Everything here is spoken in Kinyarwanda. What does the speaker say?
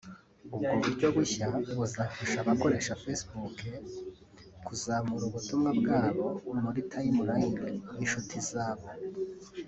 ubwo buryo bushya buzafasha abakoresha facebook kuzamura ubutumwa bwabo muri timeline y’inshuti zabo